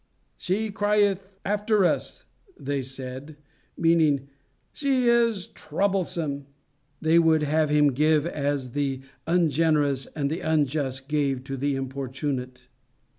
"She crieth after us," they said meaning, "She is troublesome." They would have him give as the ungenerous and the unjust give to the importunate.